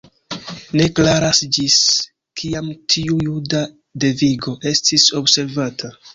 Ne klaras ĝis kiam tiu juda devigo estis observata.